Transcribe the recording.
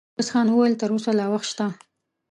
ميرويس خان وويل: تر اوسه لا وخت شته.